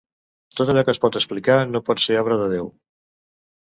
Tot allò que es pot explicar no pot ser obra de Déu.